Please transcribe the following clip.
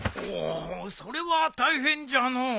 おおそれは大変じゃのう。